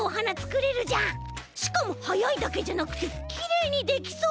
しかもはやいだけじゃなくてきれいにできそう！